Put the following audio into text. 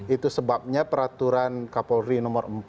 itu sebabnya peraturan kapolri nomor empat